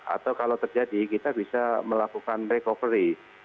atau kalau terjadi kita bisa melakukan recovery